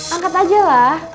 angkat aja lah